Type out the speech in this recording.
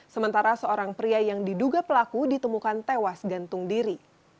sementara seorang pria yang diduga pelaku ditemukan tewas gantung diri